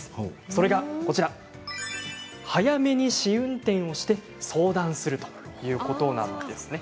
それが早めに試運転をして相談するということなんですね。